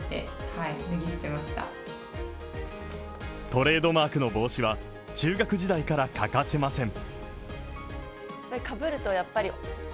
トレードマークの帽子は、中学時代から欠かせません。